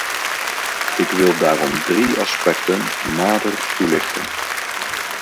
Ik wil daarom drie aspecten nader toelichten.